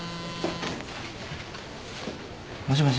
もしもし？